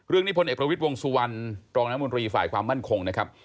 เรื่องนิพนธ์เอกประวิทย์วงสุวรรณตรมฝ่ายความมั่นคงนะครับ